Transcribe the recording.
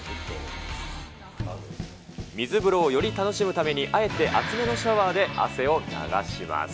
水風呂をより楽しむためにあえて熱めのシャワーで汗を流します。